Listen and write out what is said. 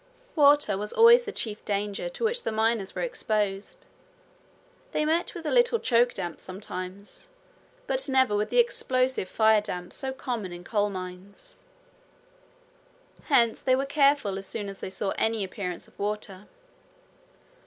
Water was always the chief danger to which the miners were exposed. They met with a little choke damp sometimes, but never with the explosive firedamp so common in coal mines. Hence they were careful as soon as they saw any appearance of water.